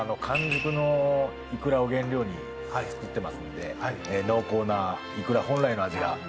完熟のいくらを原料に作ってますんで濃厚ないくら本来の味が。